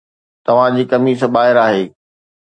توهان جي قميص ٻاهر آهي